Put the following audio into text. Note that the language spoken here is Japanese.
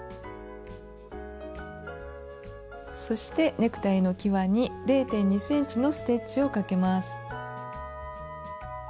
そしてネクタイのきわに０．２ｃｍのステッチをかけます。